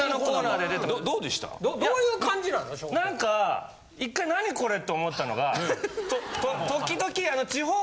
何か一回「何これ？」って思ったのが時々。